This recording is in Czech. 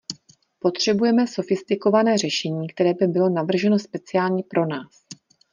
Potřebujeme sofistikované řešení, které by bylo navrženo speciálně pro nás.